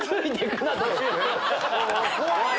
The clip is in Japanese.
怖い！